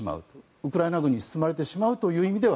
ウクライナ軍に進まれてしまうという意味では